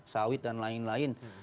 sawit dan lain lain